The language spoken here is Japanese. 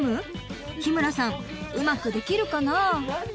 日村さんうまくできるかな？